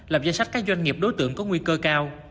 lập danh sách các doanh nghiệp đối tượng có nguy cơ cao